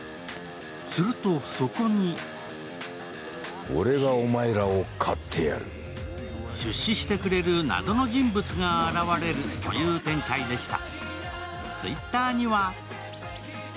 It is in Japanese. するとそこに出資してくれる謎の人物が現れるという展開でした。